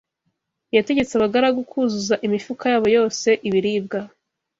Yategetse abagaragu kuzuza imifuka yabo yose ibiribwa.